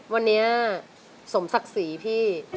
วันนี้สมศักดิ์ศรีพี่